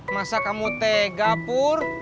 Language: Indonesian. masa kamu tega pur